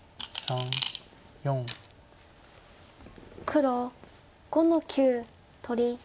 黒５の九取り。